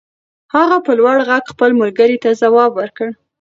هغه په لوړ غږ خپل ملګري ته ځواب ور کړ.